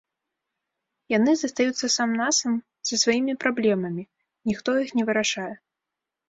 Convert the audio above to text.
Яны застаюцца сам-насам са сваімі праблемамі, ніхто іх не вырашае.